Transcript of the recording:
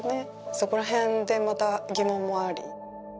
そこらへんでまた疑問もあり。